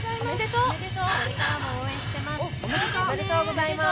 「おめでとうございます」